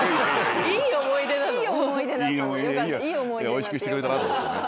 おいしくしてくれたなと思ってね。